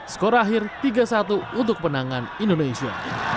skor akhir tiga satu untuk penangan indonesia